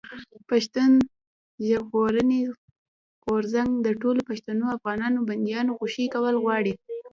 پښتون ژغورني غورځنګ د ټولو پښتنو افغانانو بنديانو خوشي کول غواړي.